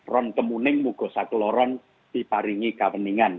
ron kemuning mugosa keloron diparingi kameningan